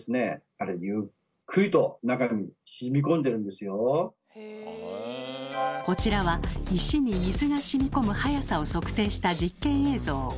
あれこちらは石に水がしみこむ速さを測定した実験映像。